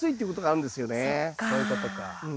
そういうことか。